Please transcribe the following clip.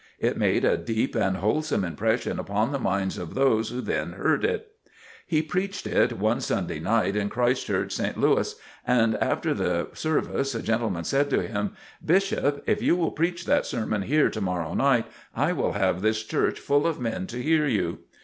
It made a deep and wholesome impression upon the minds of those who then heard it. He preached it one Sunday night in Christ Church, St. Louis, and after the service a gentleman said to him, "Bishop, if you will preach that sermon here tomorrow night, I will have this church full of men to hear you."